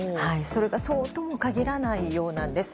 それがそうとも限らないようなんです。